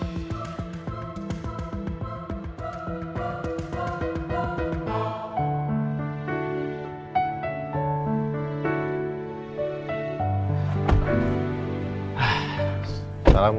udah terima kasih ya